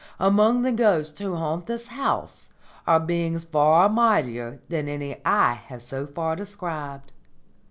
Among the ghosts who haunt this house are beings far mightier than any I have so far described.